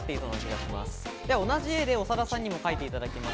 同じ絵で長田さんにも描いていただきます。